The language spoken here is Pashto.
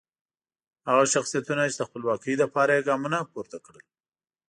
هغه شخصیتونه چې د خپلواکۍ لپاره یې ګامونه پورته کړل.